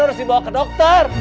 harus dibawa ke dokter